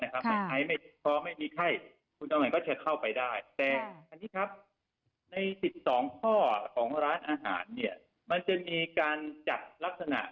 ไอซ์ไม่พอไม่มีไข้คุณจำวันก็จะเข้าไปได้แต่อันนี้ครับใน๑๒ข้อของร้านอาหารเนี่ยมันจะมีการจัดลักษณะ